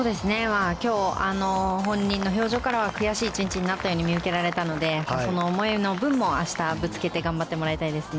今日、本人の表情からは悔しい１日になったように見受けられたのでその思いの分も明日ぶつけて頑張ってもらいたいです。